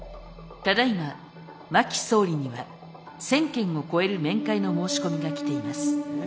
ただいま真木総理には１，０００件を超える面会の申し込みが来ています。